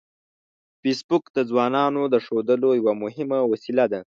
فېسبوک د ځوانانو د ښودلو یوه مهمه وسیله ده